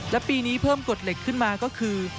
และปีนี้เพิ่มกฎเหล็กขึ้นมาก็คือ